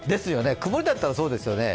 曇りだったらそうですよね。